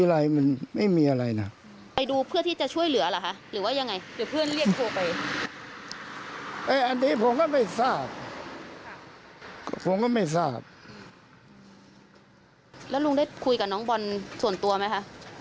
แล้วลุงได้คุยกับน้องบอลส่วนตัวไหมคะ